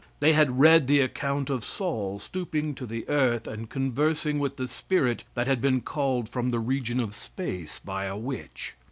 They had read the account of Saul stooping to the earth and conversing with the spirit that had been called from the region of space by a witch.